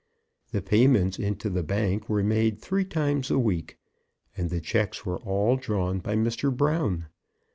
The payments into the bank were made three times a week, and the checks were all drawn by Mr. Brown.